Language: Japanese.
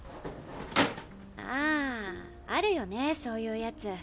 ああるよねそういうやつ。